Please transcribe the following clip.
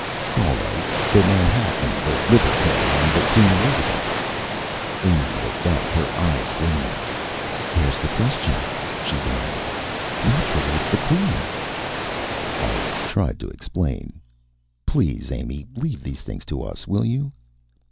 "All right. The Manhattan, the Liberté and the Queen Elizabeth." Amy looked up, her eyes gleaming. "Where's the question?" she demanded. "Naturally, it's the Queen." I tried to explain. "Please, Amy. Leave these things to us, will you?"